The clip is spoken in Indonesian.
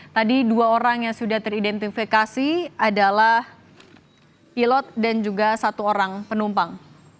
tadi dua orang yang sudah teridentifikasi adalah pilot dan juga satu orang penumpang